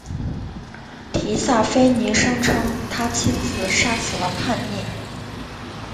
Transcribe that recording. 提萨斐尼声称他亲自杀死了叛逆。